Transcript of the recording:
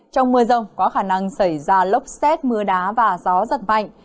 trong mưa rông có khả năng xảy ra lốc xét mưa đá và gió giật mạnh